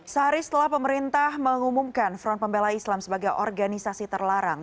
sehari setelah pemerintah mengumumkan front pembela islam sebagai organisasi terlarang